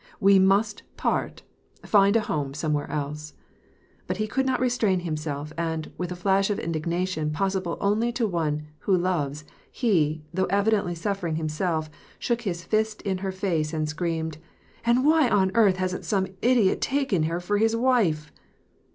We must part, rind a home somewhere else." ... But he could not restrain himself, and, with a flash of indignation possible only to one who loves, he, though evidently suffering himself, shook his flst in her face and screamed, " And why on earth hasn't some idiot taken her for his wife